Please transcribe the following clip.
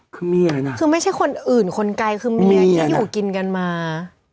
คือเมียน่ะคือไม่ใช่คนอื่นคนไกลคือเมียที่อยู่กินกันมา